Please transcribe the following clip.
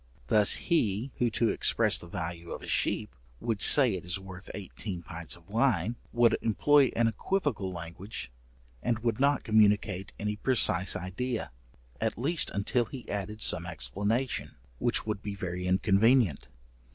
Thus he who to express the value of a sheep, would say it is worth eighteen pints of wine, would employ an equivocal language, and would not communicate any precise idea, at least until he added some explanation, which would be very inconvenient.